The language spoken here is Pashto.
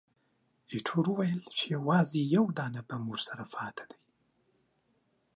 ایټور وویل چې، یوازې یو دانه بم ورسره پاتې وو.